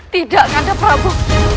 tidak kandang prabu